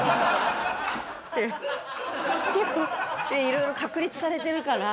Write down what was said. いろいろ確立されてるから。